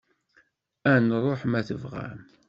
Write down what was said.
Ad nruḥ, ma tebɣam.